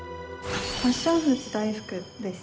パッションフルーツ大福です。